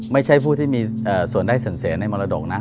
ไม่ใช่ผู้ที่มีส่วนได้ส่วนเสียในมรดกนะ